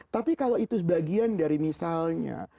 tapi kalau itu sebagian dari misalnya